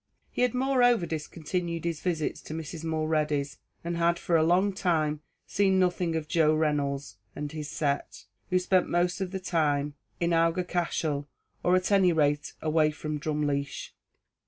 He had moreover discontinued his visits to Mrs. Mulready's, and had for a long time seen nothing of Joe Reynolds and his set, who spent most of their time in Aughacashel, or at any rate away from Drumleesh.